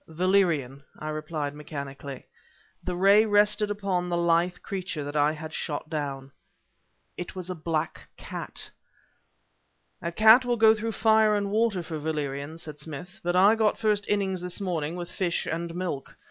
"Valerian," I replied mechanically. The ray rested upon the lithe creature that I had shot down. It was a black cat! "A cat will go through fire and water for valerian," said Smith; "but I got first innings this morning with fish and milk!